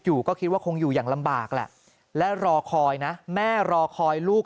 อยู่ก็คิดว่าคงอยู่อย่างลำบากแหละและรอคอยนะแม่รอคอยลูก